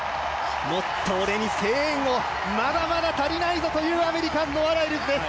もっと俺に声援をまだまだ足りないぞというアメリカ、ノア・ライルズです。